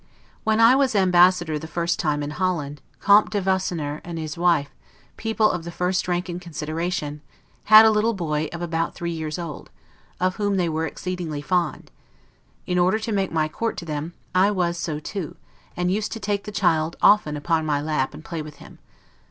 When I was Ambassador the first time in Holland, Comte de Wassenaer and his wife, people of the first rank and consideration, had a little boy of about three years old, of whom they were exceedingly fond; in order to make my court to them, I was so too, and used to take the child often upon my lap, and play with him.